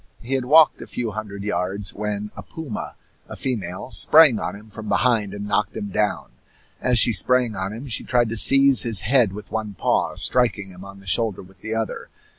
He had walked a few hundred yards, when a puma, a female, sprang on him from behind and knocked him down. As she sprang on him she tried to seize his head with one paw, striking him on the shoulder with the other.